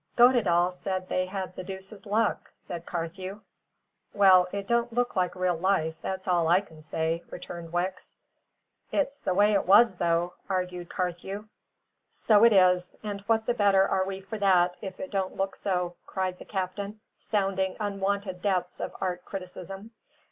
"Goddedaal said they had the deuce's luck," said Carthew. "Well, it don't look like real life that's all I can say," returned Wicks. "It's the way it was, though," argued Carthew. "So it is; and what the better are we for that, if it don't look so?" cried the captain, sounding unwonted depths of art criticism.